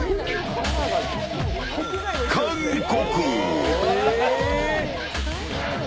韓国。